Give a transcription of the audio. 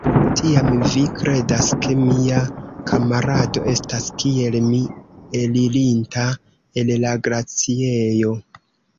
Tiam vi kredas, ke mia kamarado estas kiel mi elirinta el la glaciejo?